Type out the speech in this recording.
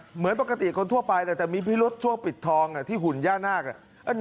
เหมือนปกติคนทั่วไปแต่มีพิรุษช่วงปิดทองที่หุ่นย่านาค